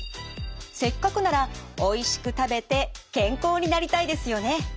せっかくならおいしく食べて健康になりたいですよね。